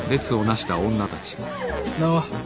名は？